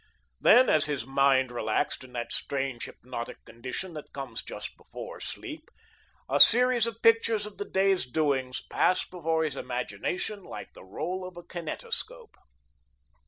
Then, as his mind relaxed in that strange, hypnotic condition that comes just before sleep, a series of pictures of the day's doings passed before his imagination like the roll of a kinetoscope.